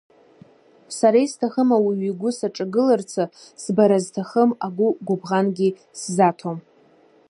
Сара исҭахым ауаҩы игәы саҿагыларцы, сбара зҭахым агәы гәыбӷангьы сзаҭом.